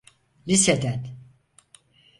Liseden…